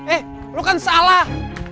eh lu kan salah